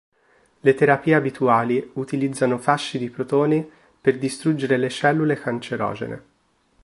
Le terapie abituali utilizzano fasci di protoni per distruggere le cellule cancerogene.